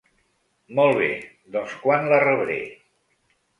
Molt bé, doncs quan la rebre.